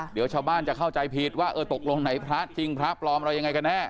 เดี๋ยวชาวบ้านจะเข้าใจผิดว่าเออตกลงไหนพระจริงพระปลอมอะไรยังไงกันแน่